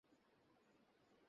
By, sir.